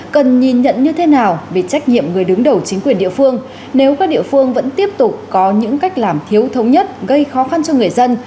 cần nhìn nhận như thế nào về trách nhiệm người đứng đầu chính quyền địa phương nếu các địa phương vẫn tiếp tục có những cách làm thiếu thống nhất gây khó khăn cho người dân